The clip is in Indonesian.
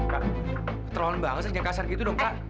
kak terlalu banget sejak kasar gitu dong kak